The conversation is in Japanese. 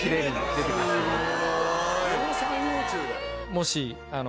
もし。